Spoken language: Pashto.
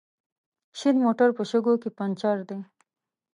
شين موټر په شګو کې پنچر دی